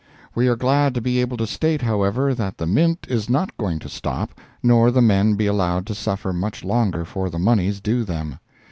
We are glad to be able to state, however, that the Mint is not going to stop, nor the men be allowed to suffer much longer for the moneys due them.